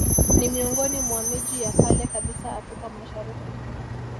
Ni miongoni mwa miji ya kale kabisa Afrika Mashariki